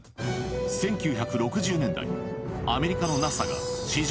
１９６０年代アメリカのＮＡＳＡが史上